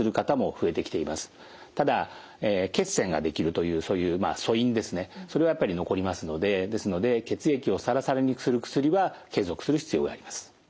ただ血栓ができるというそういう素因ですねそれはやっぱり残りますのでですので血液をサラサラにする薬は継続する必要があります。